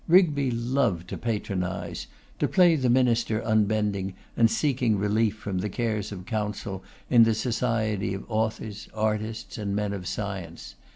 Rigby loved to patronise; to play the minister unbending and seeking relief from the cares of council in the society of authors, artists, and men of science.